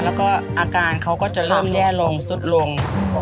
แล้วก็อาการเขาก็จะเริ่มแย่ลงสุดลง